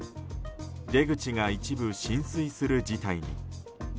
出口が一部浸水する事態に。